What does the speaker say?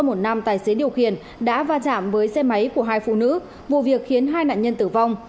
một nam tài xế điều khiển đã va chạm với xe máy của hai phụ nữ vụ việc khiến hai nạn nhân tử vong